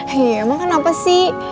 hei emang kenapa sih